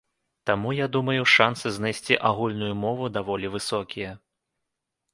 Таму, я думаю, шансы знайсці агульную мову даволі высокія.